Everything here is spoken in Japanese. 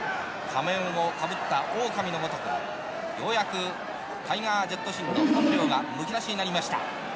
仮面をかぶったオオカミのごとくようやくタイガー・ジェット・シンの本能がむき出しになりました。